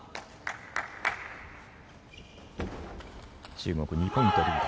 中国２ポイント、リード。